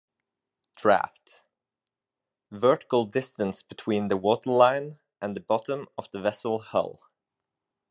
Draft- Vertical distance between the water line and the bottom of the vessel hull.